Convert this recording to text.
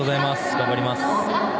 頑張ります。